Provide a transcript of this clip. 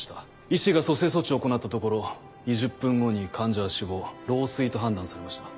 医師が蘇生措置を行ったところ２０分後に患者は死亡老衰と判断されました。